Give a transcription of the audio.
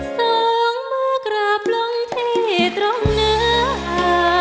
สองมือกราบลงที่ตรงเนื้ออ่า